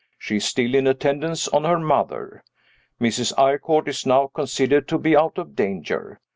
She is still in attendance on her mother. Mrs. Eyrecourt is now considered to be out of danger.